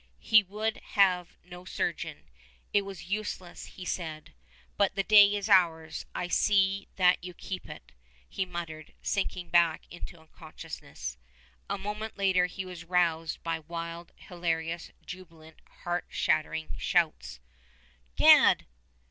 He would have no surgeon. It was useless, he said. "But the day is ours, and see that you keep it," he muttered, sinking back unconscious. A moment later he was roused by wild, hilarious, jubilant, heart shattering shouts. "Gad!